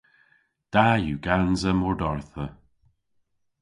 Da yw gansa mordardha.